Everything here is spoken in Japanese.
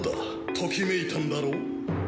ときめいたんだろう？